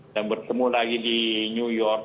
dan bertemu lagi di new york